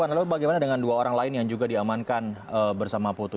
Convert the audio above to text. lalu bagaimana dengan dua orang lain yang juga diamankan bersama putu